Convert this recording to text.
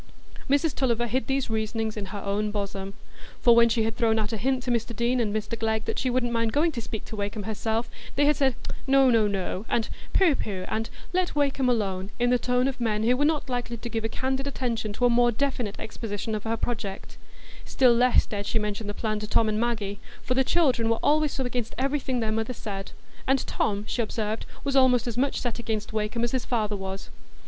Mrs Tulliver hid these reasonings in her own bosom; for when she had thrown out a hint to Mr Deane and Mr Glegg that she wouldn't mind going to speak to Wakem herself, they had said, "No, no, no," and "Pooh, pooh," and "Let Wakem alone," in the tone of men who were not likely to give a candid attention to a more definite exposition of her project; still less dared she mention the plan to Tom and Maggie, for "the children were always so against everything their mother said"; and Tom, she observed, was almost as much set against Wakem as his father was.